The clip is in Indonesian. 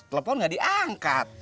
telepon nggak diangkat